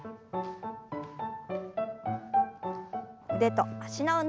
腕と脚の運動です。